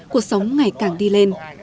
cuộc sống ngày càng đi lên